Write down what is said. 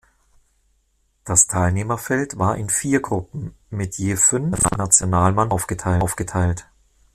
Das Teilnehmerfeld war in vier Gruppen mit je fünf Nationalmannschaften aufgeteilt.